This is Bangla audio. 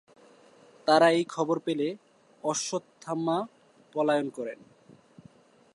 তারা এই খবর পেলে অশ্বত্থামা পলায়ন করেন।